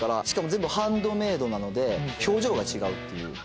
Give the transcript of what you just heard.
しかも全部ハンドメードなので表情が違うっていう。